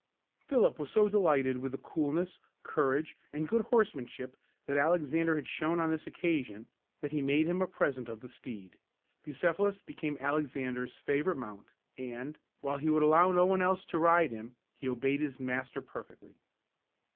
Philip was so delighted with the coolness, courage, and good horsemanship that Alexander had shown on this occasion, that he made him a present of the steed. Bucephalus became Alexander's favorite mount, and, while he would allow no one else to ride him, he obeyed his master perfectly.